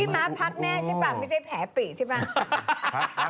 ม้าพักแน่ใช่ป่ะไม่ใช่แผลปลีกใช่ป่ะ